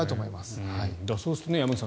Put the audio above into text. そうすると山口さん